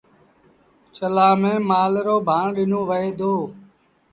چلآݩ ميݩ مآل رو ڀآڻ ڏنو وهي دو۔